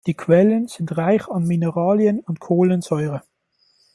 Die Quellen sind reich an Mineralien und Kohlensäure.